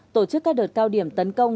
tổ chức các đợt cao điểm tấn công